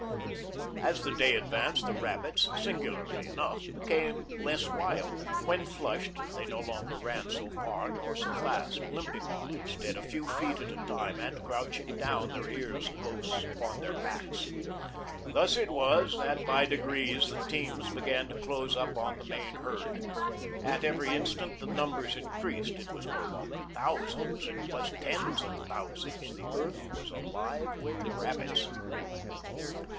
As the day advanced, the rabbits, singularly enough, became less wild. When flushed, they no longer ran so far nor so fast, limping off instead a few feet at a time, and crouching down, their ears close upon their backs. Thus it was, that by degrees the teams began to close up on the main herd. At every instant the numbers increased. It was no longer thousands, it was tens of thousands. The earth was alive with rabbits.